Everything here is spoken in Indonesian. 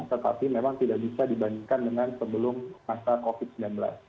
tetapi memang tidak bisa dibandingkan dengan sebelum masa covid sembilan belas